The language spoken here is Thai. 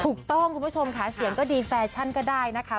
คุณผู้ชมค่ะเสียงก็ดีแฟชั่นก็ได้นะคะ